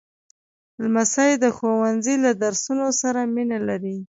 لمسی د ښوونځي له درسونو سره مینه لري.